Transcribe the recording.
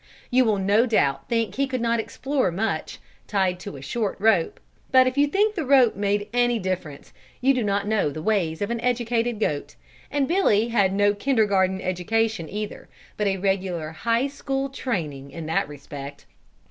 You will no doubt think that he could not explore much, tied to a short rope, but if you think the rope made any difference you do not know the ways of an educated goat, and Billy had no Kindergarten education either, but a regular High School training in that respect.